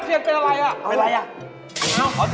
เที่ยนเป็นอะไร